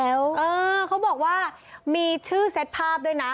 เขาบอกว่ามีชื่อเซตภาพด้วยนะ